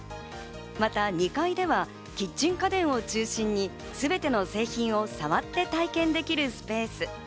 また２階ではキッチン家電を中心にすべての製品を触って体験できるスペース。